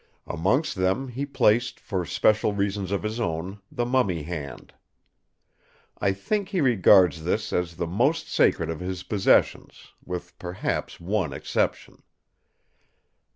Amongst them he placed, for special reasons of his own, the mummy hand. I think he regards this as the most sacred of his possessions, with perhaps one exception.